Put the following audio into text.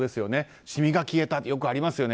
シミが消えた、よくありますよね。